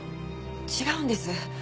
違うんです。